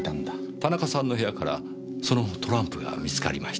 田中さんの部屋からそのトランプが見つかりました。